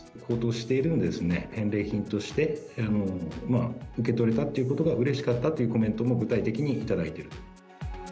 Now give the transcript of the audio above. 高騰しているので、返礼品として受け取れたということがうれしかったというコメントも具体的に頂いている。